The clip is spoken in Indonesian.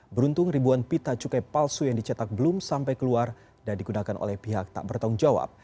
beruntung ribuan pita cukai palsu yang dicetak belum sampai keluar dan digunakan oleh pihak tak bertanggung jawab